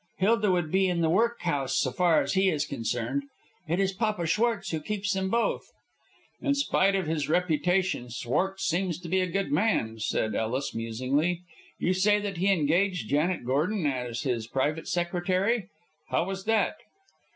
Hilda would be in the workhouse so far as he is concerned. It is Papa Schwartz who keeps them both." "In spite of his reputation Schwartz seems to be a good man," said Ellis, musingly. "You say that he engaged Janet Gordon as his private secretary. How was that?"